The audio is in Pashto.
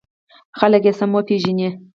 خلک یې سم وپېژني.